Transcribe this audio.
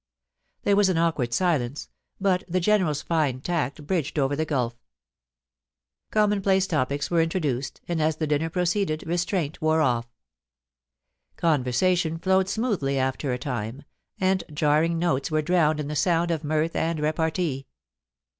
There was an awkward silence, but the General's fine tact bridged over the gulf Common place topics were introduced, and as the dinner proceeded restraint wore off. Conversation flowed smoothly after a time, and jarring notes were drowned in the sound of mirth and repartee.